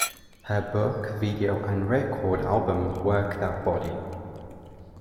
Her book, video and record album Work That Body!